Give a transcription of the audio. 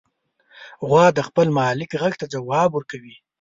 غوا د خپل مالک غږ ته ځواب ورکوي.